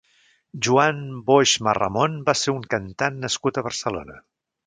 Joan Boix Masramon va ser un cantant nascut a Barcelona.